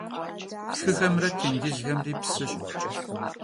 Xıxemre têncızxemri psış.